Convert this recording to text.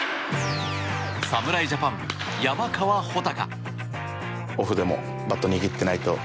侍ジャパン、山川穂高。